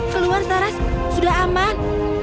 keluar saras sudah aman